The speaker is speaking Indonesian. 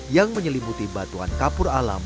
yang menyelimuti batuan kapur alam